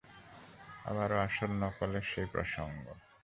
আবারও আসল নকলের সেই প্রসঙ্গ!